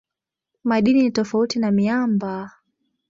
Madini ni tofauti na miamba.